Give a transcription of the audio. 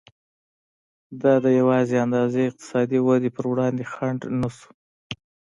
دا د یوې اندازې اقتصادي ودې پر وړاندې خنډ نه شو.